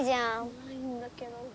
ないんだけど。